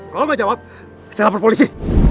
kalau nggak jawab saya lapor polisi